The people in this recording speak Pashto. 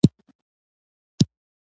کب مخ پورته لاړ.